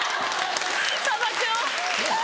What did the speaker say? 砂漠を。